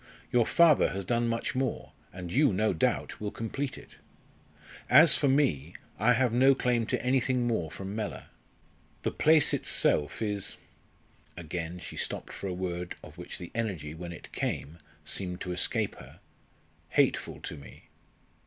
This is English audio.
Your father has done much more, and you, no doubt, will complete it. As for me, I have no claim to anything more from Mellor. The place itself is" again she stopped for a word of which the energy, when it came, seemed to escape her "hateful to me.